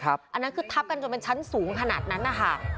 อันนั้นคือทับกันจนเป็นชั้นสูงขนาดนั้นนะคะ